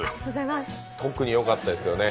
特によかったですよね。